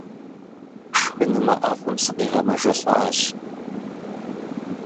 Шхынымэ ӏэфӏым сыкъигъэмэжэлӏащ.